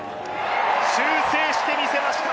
修正してみせました。